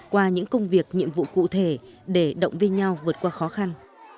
qua những công việc nhiệm vụ cụ thể để động viên nhau vượt qua khó khăn